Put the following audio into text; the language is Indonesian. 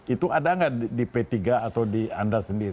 itu ada nggak di p tiga atau di anda sendiri